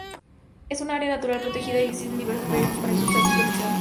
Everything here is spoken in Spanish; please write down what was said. Es un área natural protegida y existen diversos proyectos para impulsar su protección.